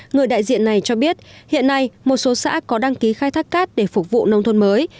người đại diện này cho biết hiện nay một số xã có đăng ký khai thác cát để phục vụ nông thôn mới